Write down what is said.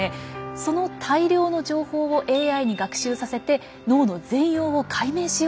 その大量の情報をＡＩに学習させて脳の全容を解明しようというんです。